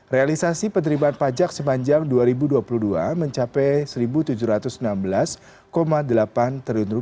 realisasi penerimaan pajak sepanjang dua ribu dua puluh dua mencapai rp satu tujuh ratus enam belas delapan triliun